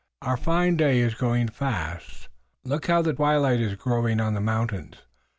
Our fine day is going fast. Look how the twilight is growing on the mountains.